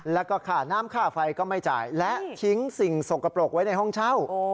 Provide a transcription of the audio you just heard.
แล้วก็ค่าน้ำค่าไฟก็ไม่จ่ายและทิ้งสิ่งสกปรกไว้ในห้องเช่า